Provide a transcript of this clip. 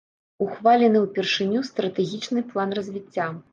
Ухвалены ўпершыню стратэгічны план развіцця.